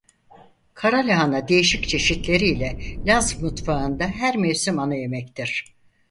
Karalahana değişik çeşitleriyle Laz mutfağında her mevsim ana yemektir.